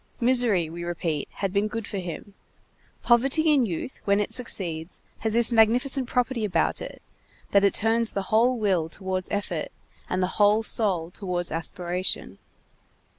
Misery, we repeat, had been good for him. Poverty in youth, when it succeeds, has this magnificent property about it, that it turns the whole will towards effort, and the whole soul towards aspiration.